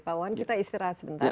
pak wan kita istirahat sebentar